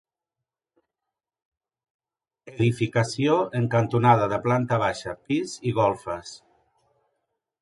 Edificació en cantonada de planta baixa, pis i golfes.